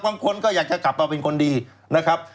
บางคนก็อยากจะกลับมาเป็นคนดีนะครับ